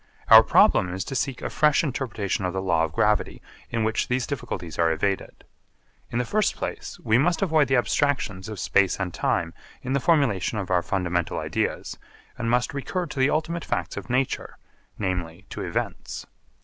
Our problem is to seek a fresh interpretation of the law of gravity in which these difficulties are evaded. In the first place we must avoid the abstractions of space and time in the formulation of our fundamental ideas and must recur to the ultimate facts of nature, namely to events.